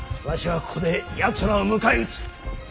わしはここでやつらを迎え撃つ。